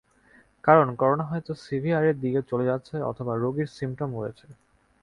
কারণ করোনা হয়তো সিভিআরের দিকে চলে যাচ্ছে অথবা রোগীর সিমটম রয়েছে।